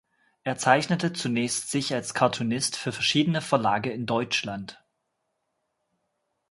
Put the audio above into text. Er zeichnete zunächst sich als Cartoonist für verschiedene Verlage in Deutschland.